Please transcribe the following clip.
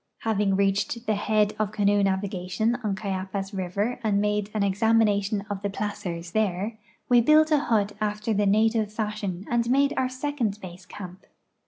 Having reached the head of canoe navigation on Cayapas river and made an examination of the placers there, we built a hut after the native fashion and made our second base camp.